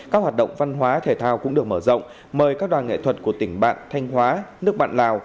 các hoạt động văn hóa thể thao cũng được mở rộng mời các đoàn nghệ thuật của tỉnh bạn thanh hóa nước bạn lào